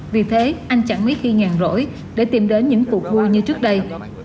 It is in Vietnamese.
vì thế anh chẳng mấy khi nhàn rỗi để tìm đến những cuộc vui như trước đây